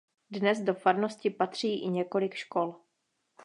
Dnes do farnosti patří i několik škol.